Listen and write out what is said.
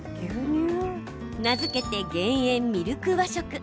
名付けて、減塩ミルク和食。